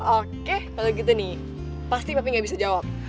oke kalau gitu nih pasti papi gak bisa jawab